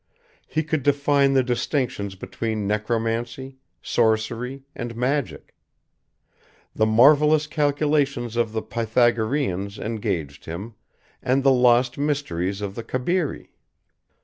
He could define the distinctions between necromancy, sorcery, and magic. The marvelous calculations of the Pythagoreans engaged him, and the lost mysteries of the Cabiri.